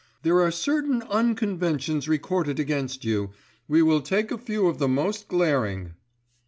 "There are certain unconventions recorded against you. We will take a few of the most glaring."